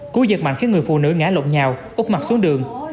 cúi giật mạnh khiến người phụ nữ ngã lộn nhau úp mặt xuống đường